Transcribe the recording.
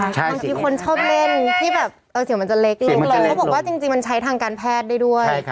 บางทีคนชอบเล่นที่แบบเสียงมันจะเล็กลงเขาบอกว่าจริงมันใช้ทางการแพทย์ได้ด้วย